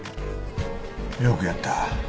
よくやった。